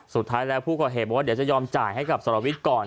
สุดท้ายแล้วผู้ก่อเหตุบอกว่าเดี๋ยวจะยอมจ่ายให้กับสรวิทย์ก่อน